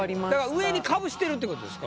上にかぶしてるってことですか？